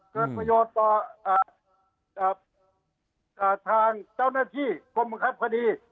เกิดประโยชน์ต่อทางเจ้าหน้าที่กรมบังคับคดี